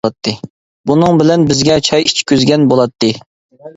بۇنىڭ بىلەن بىزگە چاي ئىچكۈزگەن بولاتتى.